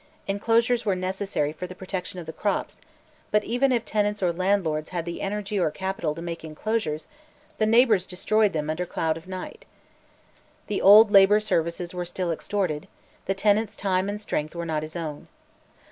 Enclosures were necessary for the protection of the crops, but even if tenants or landlords had the energy or capital to make enclosures, the neighbours destroyed them under cloud of night. The old labour services were still extorted; the tenant's time and strength were not his own.